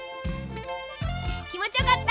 きもちよかった？